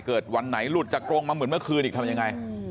วันไหนหลุดจากกรงมาเหมือนเมื่อคืนอีกทำยังไง